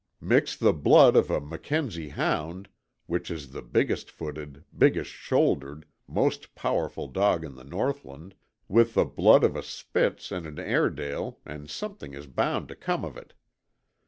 Mix the blood of a Mackenzie hound which is the biggest footed, biggest shouldered, most powerful dog in the northland with the blood of a Spitz and an Airedale and something is bound to come of it.